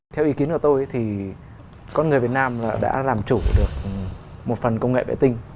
theo ý kiến của tôi thì con người việt nam đã làm chủ được một phần công nghệ vệ tinh